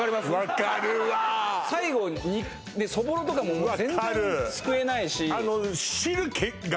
分かるわ最後そぼろとかも全然すくえないし分かる